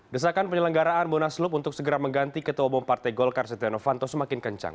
desakan penyelenggaraan munaslup untuk segera mengganti ketua umum partai golkar setia novanto semakin kencang